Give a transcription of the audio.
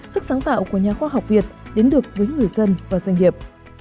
sức sáng tạo của nhà khoa học việt đến được với người dân và doanh nghiệp